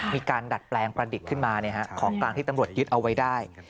มีการดัดแปลงประดิษฐ์ขึ้นมาของกลางที่ตำรวจยึดเอาไว้ได้